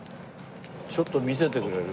ちょっと見せてくれる？